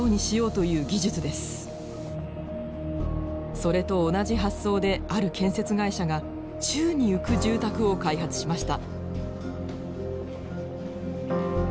それと同じ発想である建設会社が宙に浮く住宅を開発しました。